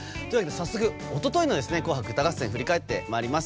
早速おとといの「紅白歌合戦」を振り返ってまいります。